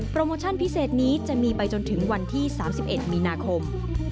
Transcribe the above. โมชั่นพิเศษนี้จะมีไปจนถึงวันที่๓๑มีนาคม